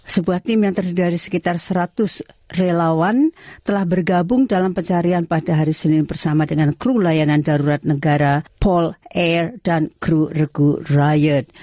sebuah tim yang terdiri dari sekitar seratus relawan telah bergabung dalam pencarian pada hari senin bersama dengan kru layanan darurat negara pol air dan grup regu ryert